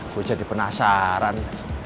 gue jadi penasaran